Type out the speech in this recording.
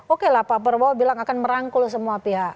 oke lah pak prabowo bilang akan merangkul semua pihak